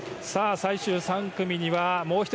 最終、３組にはもう１人。